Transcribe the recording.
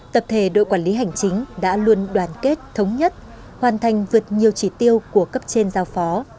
tập thể đội quản lý hành chính đã luôn đoàn kết thống nhất hoàn thành vượt nhiều chỉ tiêu của cấp trên giao phó